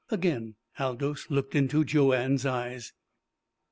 Again Aldous looked into Joanne's eyes.